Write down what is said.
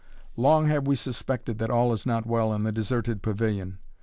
"Long have we suspected that all is not well in the deserted pavilion.